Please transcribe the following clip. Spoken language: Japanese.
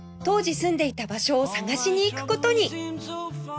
当時住んでいた場所を探しに行く事に